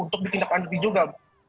untuk ditindaklanjuti juga